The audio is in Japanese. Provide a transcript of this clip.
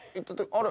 あれ？